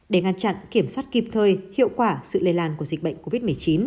để ngăn chặn kiểm soát kịp thời hiệu quả sự lây lan của dịch bệnh covid một mươi chín